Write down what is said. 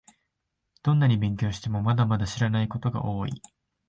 どんなに勉強しても、まだまだ知らないことが多い